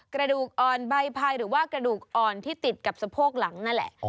กระดูกอ่อนใบพายหรือว่ากระดูกอ่อนที่ติดกับสะโพกหลังนั่นแหละ